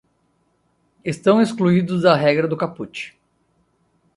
Estão excluídos da regra do caput